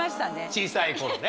小さい頃ね。